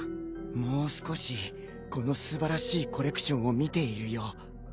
もう少しこの素晴らしいコレクションを見ているよ。